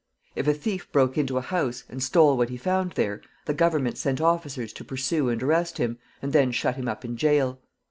If a thief broke into a house and stole what he found there, the government sent officers to pursue and arrest him, and then shut him up in jail.